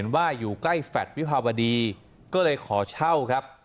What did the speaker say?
ว่าอยู่ใกล้แฟลตวิภาวดีก็เลยขอเช่าครับ